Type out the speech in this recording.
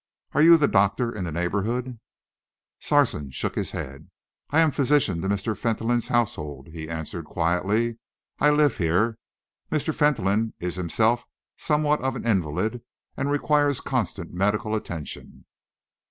Are you the doctor in the neighbourhood?" Sarson shook his head. "I am physician to Mr. Fentolin's household," he answered quietly. "I live here. Mr. Fentolin is himself somewhat of an invalid and requires constant medical attention."